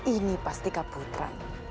ini pasti kabutran